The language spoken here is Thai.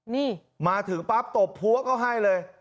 นี่มาถึงป๊าปตบหัวเค้าให้เลย